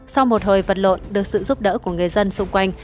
sau một hồi vật lộn được sự giúp đỡ của người dân xung quanh